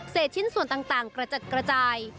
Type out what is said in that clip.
ชิ้นส่วนต่างกระจัดกระจาย